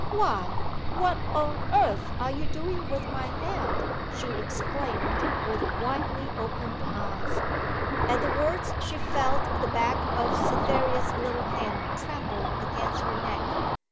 'Why, what on earth are you doing with my head?' she exclaimed, with widely opened eyes. At the words she felt the back of Cytherea's little hand tremble against her neck.